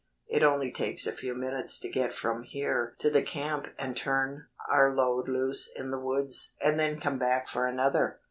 It only takes a few minutes to get from here to the camp and turn our load loose in the woods and then come back for another.